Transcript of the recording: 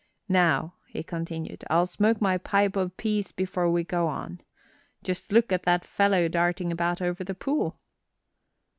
Now," he continued, "I'll smoke my pipe of peace before we go on. Just look at that fellow darting about over the pool!"